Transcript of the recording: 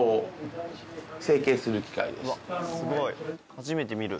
初めて見る。